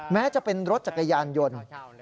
แม้จะเป็นรถจักรยานยนต์